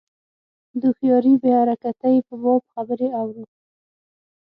د هوښیاري بې حرکتۍ په باب خبرې اورو.